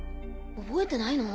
覚えてないの？